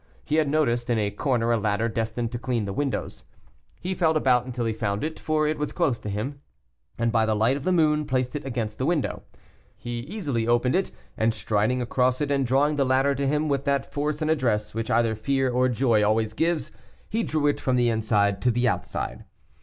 He had noticed in a corner a ladder destined to clean the windows. He felt about until he found it, for it was close to him, and by the light of the moon placed it against the window. He easily opened it, and striding across it and drawing the ladder to him with that force and address which either fear or joy always gives, he drew it from the inside to the outside.